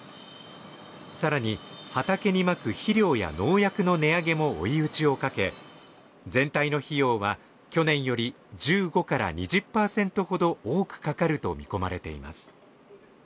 さらに畑にまく肥料や農薬の値上げも追い打ちをかけ全体の費用は去年より１５から２０％ほど多くかかると見込まれています